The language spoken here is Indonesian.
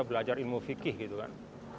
belajar ilmu fikih gitu kan